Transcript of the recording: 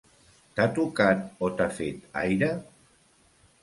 T'ha tocat o t'ha fet aire?